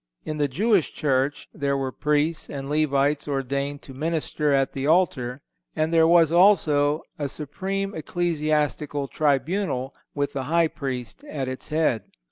In the Jewish Church there were Priests and Levites ordained to minister at the altar; and there was, also, a supreme ecclesiastical tribunal, with the High Priest at its head.